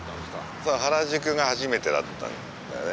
そう原宿が初めてだったんだよね。